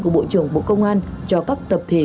của bộ trưởng bộ công an cho các tập thể